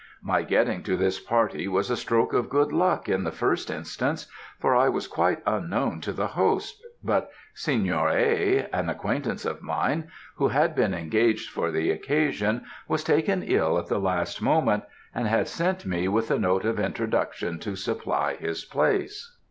My getting to this party was a stroke of good luck in the first instance, for I was quite unknown to the host, but Signor A. an acquaintance of mine, who had been engaged for the occasion, was taken ill at the last moment, and had sent me with a note of introduction to supply his place.